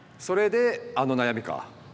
それであの悩みか。